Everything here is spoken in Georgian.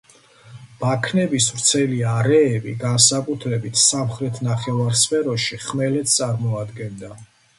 ბაქნების ვრცელი არეები, განსაკუთრებით სამხრეთ ნახევარსფეროში, ხმელეთს წარმოადგენდა.